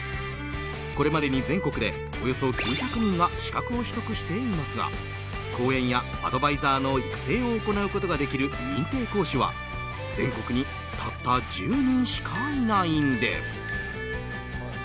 これまでに全国でおよそ９００人が資格を取得していますが講演やアドバイザーの育成を行うことができる認定講師は全国にたった１０人しかいないんです。